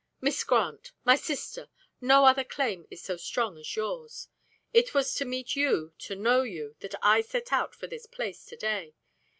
"Miss Grant, my sister; no other claim is so strong as yours. It was to meet you, to know you, that I set out for this place to day.